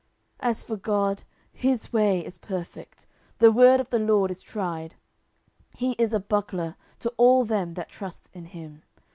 10:022:031 As for God, his way is perfect; the word of the LORD is tried: he is a buckler to all them that trust in him.